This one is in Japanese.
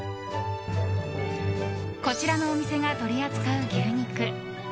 こちらのお店が取り扱う牛肉。